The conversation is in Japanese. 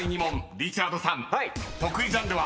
リチャードさん得意ジャンルは？］